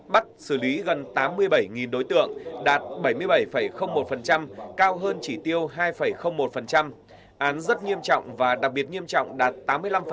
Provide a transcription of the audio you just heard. bắt xử lý gần tám mươi bảy đối tượng đạt bảy mươi bảy một cao hơn chỉ tiêu hai một án rất nghiêm trọng và đặc biệt nghiêm trọng đạt tám mươi năm